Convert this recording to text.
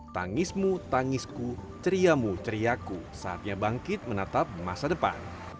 tangismu tangisku ceriamu ceriaku saatnya bangkit menatap masa depan